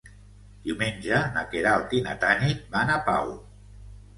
Diumenge na Queralt i na Tanit van a Pau.